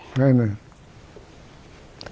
ใช่นะ